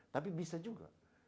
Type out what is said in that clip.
tapi bisa juga